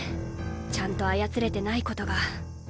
ちゃんと操れてないことが。